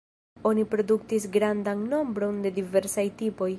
Oni produktis grandan nombron de diversaj tipoj.